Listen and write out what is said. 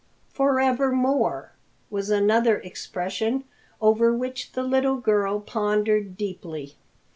"Forevermore" was another expression over which the little girl pondered deeply.